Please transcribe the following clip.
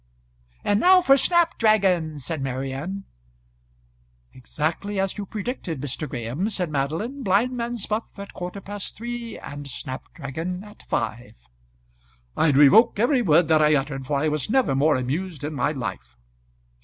"And now for snap dragon," said Marian. "Exactly as you predicted, Mr. Graham," said Madeline: "blindman's buff at a quarter past three, and snap dragon at five." "I revoke every word that I uttered, for I was never more amused in my life."